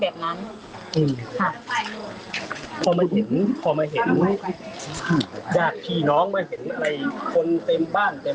แบบนั้นอืมค่ะพอมาเห็นพอมาเห็นญาติพี่น้องมาเห็นอะไรคนเต็มบ้านเต็ม